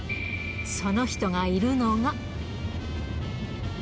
その人がいるのが。